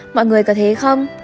mọi người có thế không